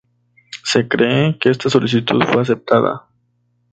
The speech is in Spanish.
Se cree que esta solicitud fue aceptada.